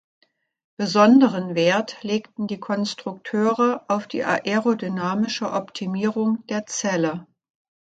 Besonderen Wert legten die Konstrukteure auf die aerodynamische Optimierung der Zelle.